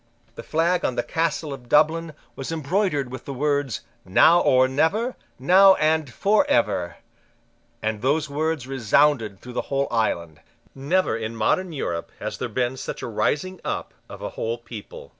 The flag on the Castle of Dublin was embroidered with the words, "Now or never: now and for ever:" and those words resounded through the whole island, Never in modern Europe has there been such a rising up of a whole people.